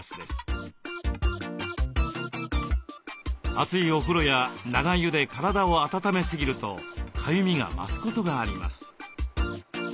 熱いお風呂や長湯で体を温めすぎるとかゆみが増すことがあります。